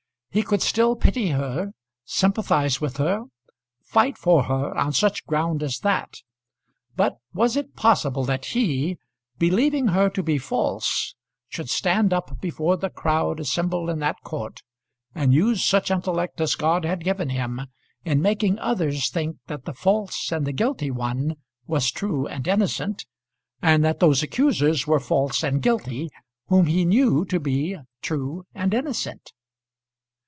He could still pity her, sympathise with her, fight for her on such ground as that; but was it possible that he, believing her to be false, should stand up before the crowd assembled in that court, and use such intellect as God had given him in making others think that the false and the guilty one was true and innocent, and that those accusers were false and guilty whom he knew to be true and innocent?